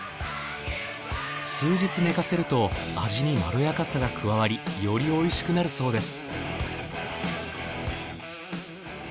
数日寝かせると味にまろやかさが加わりよりおいしくなるそうです。